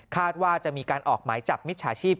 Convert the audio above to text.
ว่าจะมีการออกหมายจับมิจฉาชีพ